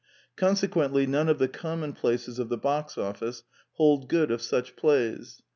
Consequendy none of the common places of the box office hold good of such plays.